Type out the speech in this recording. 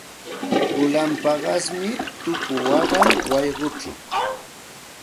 Pulan paqasmi tuku waqan wayquchaw.